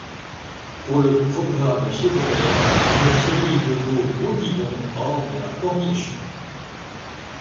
Pour le programme secondaire, une série de beaux modillons ornent la corniche.